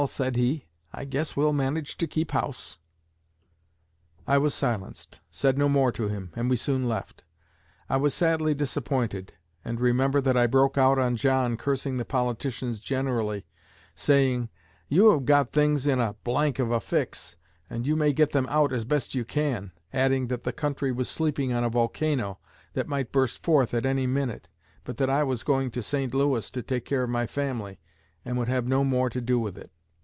said he, 'I guess we'll manage to keep house.' I was silenced, said no more to him, and we soon left. I was sadly disappointed, and remember that I broke out on John, cursing the politicians generally, saying, 'You have got things in a of a fix, and you may get them out as best you can,' adding that the country was sleeping on a volcano that might burst forth at any minute, but that I was going to St. Louis to take care of my family, and would have no more to do with it.